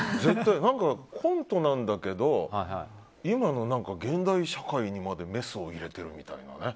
コントなんだけど今の、現代社会にまでメスを入れているみたいなね。